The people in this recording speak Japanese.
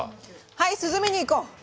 はい涼みに行こう！